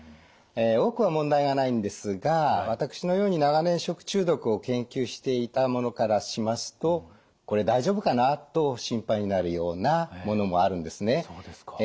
多くは問題がないんですが私のように長年食中毒を研究していた者からしますとこれ大丈夫かな？と心配になるようなものもあるんですね。